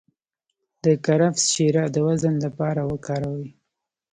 د کرفس شیره د وزن لپاره وکاروئ